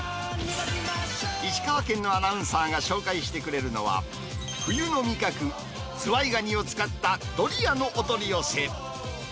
石川県のアナウンサーが紹介してくれるのは、冬の味覚、ズワイガニを使ったドリアのお取り寄せ。